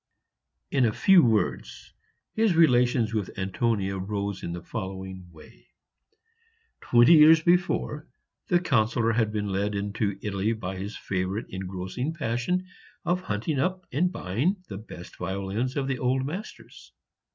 In a few words, his relations with Antonia rose in the following way. Twenty years before, the Councillor had been led into Italy by his favorite engrossing passion of hunting up and buying the best violins of the old masters.